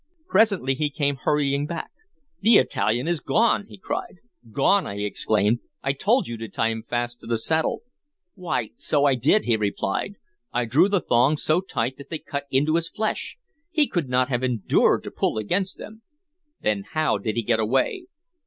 Presently he came hurrying back. "The Italian is gone!" he cried. "Gone!" I exclaimed. "I told you to tie him fast to the saddle!" "Why, so I did," he replied. "I drew the thongs so tight that they cut into his flesh. He could not have endured to pull against them." "Then how did he get away?"